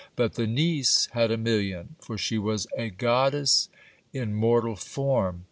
But the niece had a million, for she was a goddess in mortal form.